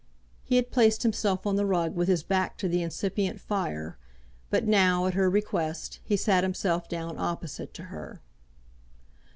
He had placed himself on the rug with his back to the incipient fire, but now, at her request, he sat himself down opposite to her.